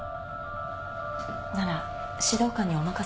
なら指導官にお任せしよう。